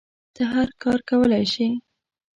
ته هر کار کولی شی